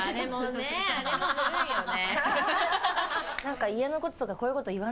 あれもずるいよね。